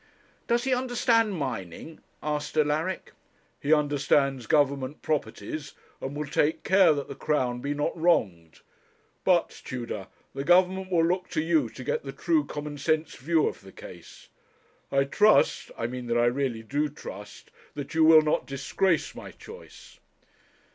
'Does he understand mining?' asked Alaric. 'He understands Government properties, and will take care that the Crown be not wronged; but, Tudor, the Government will look to you to get the true common sense view of the case. I trust I mean that I really do trust, that you will not disgrace my choice.'